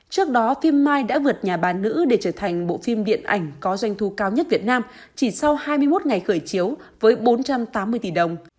trước đó phim mai đã vượt nhà bán nữ để trở thành bộ phim điện ảnh có doanh thu cao nhất việt nam chỉ sau hai mươi một ngày khởi chiếu với bốn trăm tám mươi tỷ đồng